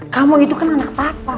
kamu itu kan anak papa